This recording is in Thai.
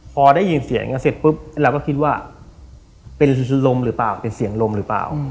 พอได้ยินเสียงกันเสร็จปุ๊บเราก็คิดว่าเป็นลมหรือเปล่าเป็นเสียงลมหรือเปล่า